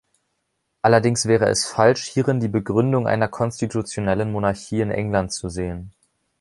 Allerdings wäre es falsch, hierin die Begründung einer konstitutionellen Monarchie in England zu sehen.